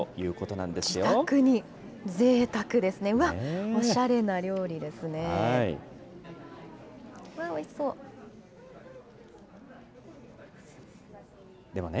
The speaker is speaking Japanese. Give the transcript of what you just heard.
ぜいたくですね、うわっ、おしゃれな料理ですね。